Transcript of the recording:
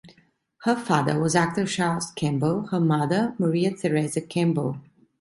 Her father was actor Charles Kemble, her mother Maria Theresa Kemble.